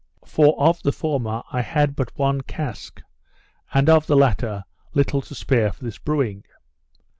For of the former I had but one cask, and of the latter little to spare for this brewing.